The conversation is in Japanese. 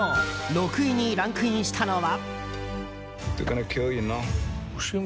６位にランクインしたのは。